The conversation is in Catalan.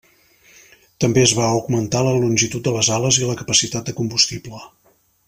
També es va augmentar la longitud de les ales i la capacitat de combustible.